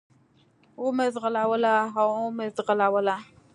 و مې زغلوله، را ومې زغلوله.